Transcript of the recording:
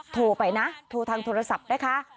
โทรไปนะโทรทางโทรศัพท์นะคะ